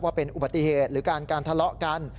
เป็นอุบัติเหตุหรือการการทะเลาะกัน